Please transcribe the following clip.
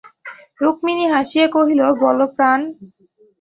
রুক্মিণী হাসিয়া কহিল, বলো প্রাণ।